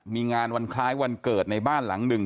มีงานวันคล้ายวันเกิดในบ้านหลังหนึ่ง